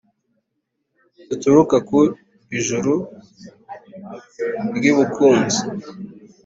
Zituruka ku ijuru ry'Ibukunzi